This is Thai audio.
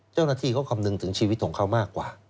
เจ้าหน้าที่เขาคำนึงถึงชีวิตของเขามากกว่า